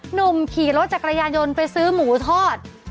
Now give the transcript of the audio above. หนุ่มขี่รถจักรยานยนต์ไปซื้อหมูทอด